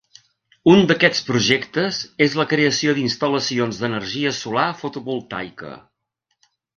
Un d’aquests projectes és la creació d’instal·lacions d’energia solar fotovoltaica.